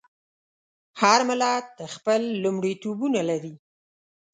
هر ملت خپل لومړیتوبونه لري.